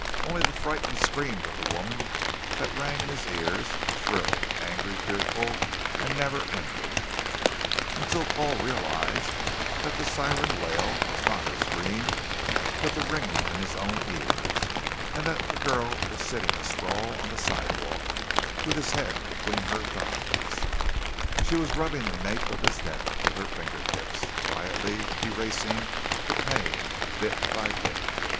Only the frightened scream of the woman that rang in his ears, shrill, angry, fearful, and never ending until Paul realized that the siren wail was not her scream but the ringing of his own ears, and that the girl was sitting a sprawl on the sidewalk with his head between her thighs. She was rubbing the nape of his neck with her fingertips, quietly erasing the pain bit by bit.